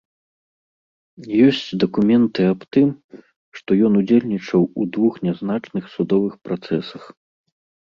Ёсць дакументы аб тым, што ён удзельнічаў у двух нязначных судовых працэсах.